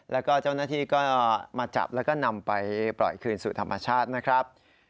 แล้วก็เจ้าหน้าที่ก็มาจับแล้วก็นำไปปล่อยคืนสู่ธรรมชาตินะครับ